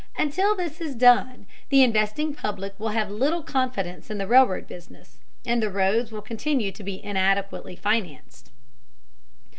Until this is done the investing public will have little confidence in the railroad business, and the roads will continue to be inadequately financed.